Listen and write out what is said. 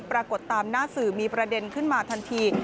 ปรากฏตามหน้าสื่อมีประเด็นขึ้นมาทันที